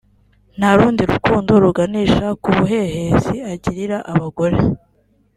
nta rundi rukundo ruganisha ku buhehesi agirira abagore